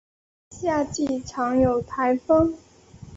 夏季常有台风。